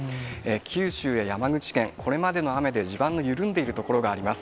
九州や山口県、これまでの雨で地盤の緩んでいる所があります。